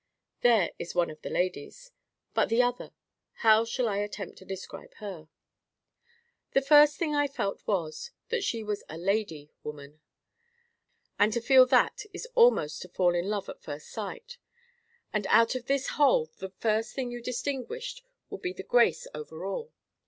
There is one of the ladies. But the other—how shall I attempt to describe her? The first thing I felt was, that she was a lady woman. And to feel that is almost to fall in love at first sight. And out of this whole, the first thing you distinguished would be the grace over all.